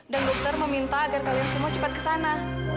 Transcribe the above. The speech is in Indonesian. dan dokter meminta agar kalian semua cepat ke sana